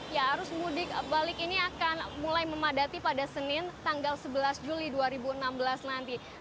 ya arus mudik balik ini akan mulai memadati pada senin tanggal sebelas juli dua ribu enam belas nanti